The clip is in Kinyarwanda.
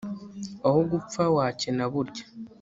aho gupfa wakena burya